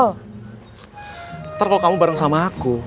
ntar kalau kamu bareng sama aku